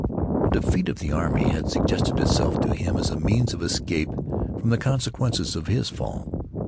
A defeat of the army had suggested itself to him as a means of escape from the consequences of his fall.